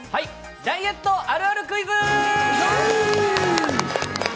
ダイエットあるあるクイズ！